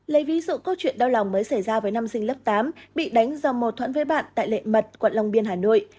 lấy ví dụ câu chuyện đau lòng mới xảy ra với năm sinh lớp tám bị đánh do mâu thuẫn với bạn tại lệ mật quận long biên hà nội